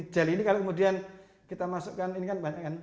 gel ini kalau kemudian kita masukkan ini kan banyak kan